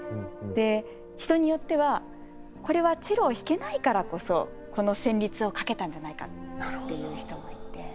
で人によってはこれはチェロを弾けないからこそこの旋律を書けたんじゃないかっていう人もいて。